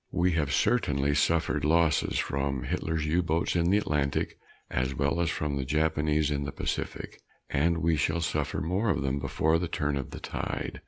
We have most certainly suffered losses from Hitler's U Boats in the Atlantic as well as from the Japanese in the Pacific and we shall suffer more of them before the turn of the tide.